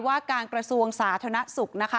ว่าการกระทรวงสาธารณะศูนย์นะคะ